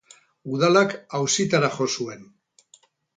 Udalak auzitara jo zuen.